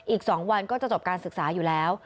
อีก๒วันก็จะจบการศึกษาอยู่แล้ว